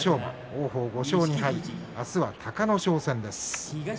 王鵬は５勝２敗明日は隆の勝戦です。